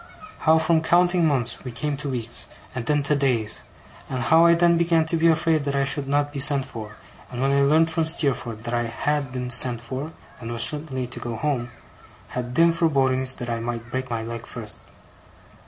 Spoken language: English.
How from counting months, we came to weeks, and then to days; and how I then began to be afraid that I should not be sent for and when I learnt from Steerforth that I had been sent for, and was certainly to go home, had dim forebodings that I might break my leg first.